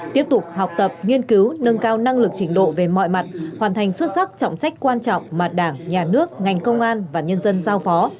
tiếp tục học tập nghiên cứu nâng cao năng lực trình độ về mọi mặt hoàn thành xuất sắc trọng trách quan trọng mà đảng nhà nước ngành công an và nhân dân giao phó